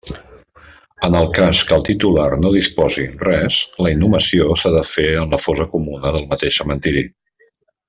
En el cas que el titular no dispose res, la inhumació s'ha de fer en la fossa comuna del mateix cementeri.